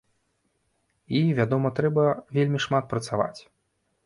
І, вядома, трэба вельмі шмат працаваць.